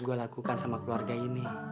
gue lakukan sama keluarga ini